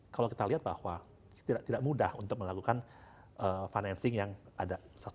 kalau kita lihat bahwa tidak mudah untuk melakukan financing yang ada